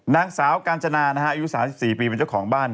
นางสาวกาญจนาอายุ๓๔ปีเป็นเจ้าของบ้าน